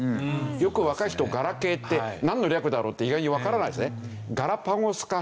よく若い人ガラケーってなんの略だろうって意外にわからないんですね。